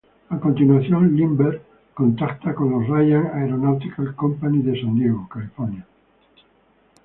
A continuación, Lindbergh contacta con la Ryan Aeronautical Company de San Diego, California.